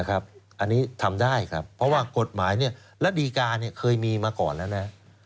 อันนี้ทำได้ครับเพราะว่ากฏหมายเนี่ยแล้วดีการ์เนี่ยเคยมีมาก่อนแล้วนะ